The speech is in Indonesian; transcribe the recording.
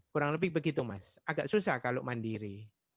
kurang lebih begitu mas agak susah kalau mandiri